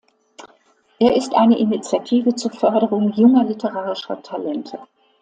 Er ist eine Initiative zur Förderung junger literarischer Talente.